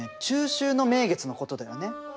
中秋の名月のことだよね。